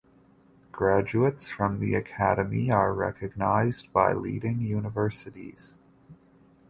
Graduates from the academy are recognized by leading universities.